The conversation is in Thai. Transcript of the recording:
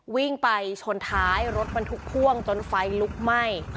วิ่งไปชนท้ายรถบรรทุกพ่วงจนไฟลุกไหม้